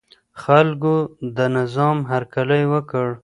خلکو د نظام هرکلی وکړ.